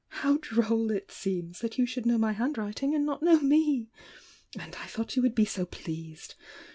"How droll it seems thai you should know my handwriting and not know me! And I thought you would be so pleased!